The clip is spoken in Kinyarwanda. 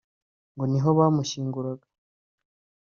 ngo ni ho bamushyinguraga